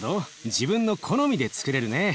自分の好みでつくれるね。